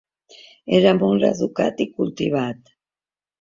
Era molt educat i cultivat.